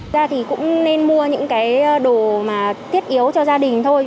thật ra thì cũng nên mua những cái đồ mà tiết yếu cho gia đình thôi